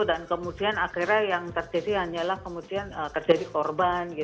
dan kemudian akhirnya yang terjadi hanyalah kemudian terjadi korban